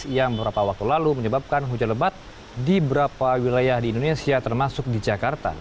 yang beberapa waktu lalu menyebabkan hujan lebat di beberapa wilayah di indonesia termasuk di jakarta